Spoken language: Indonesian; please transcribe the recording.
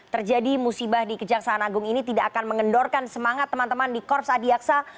terjadi musibah di kejaksaan agung ini tidak akan mengendorkan semangat teman teman di korps adiaksa